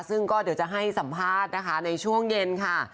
ซึ่งก็เดี๋ยวจะให้สัมภาษณ์นะคะในช่วงเย็นค่ะ